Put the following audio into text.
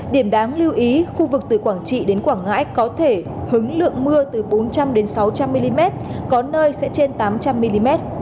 điểm đáng lưu ý khu vực từ quảng trị đến quảng ngãi có thể hứng lượng mưa từ bốn trăm linh sáu trăm linh mm có nơi sẽ trên tám trăm linh mm